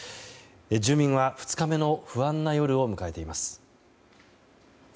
住民は２日目の不安な夜を迎えています。